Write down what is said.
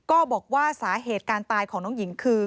ก็บอกว่าสาเหตุการตายของน้องหญิงคือ